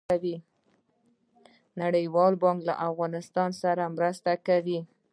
نړیوال بانک له افغانستان سره مرسته کوي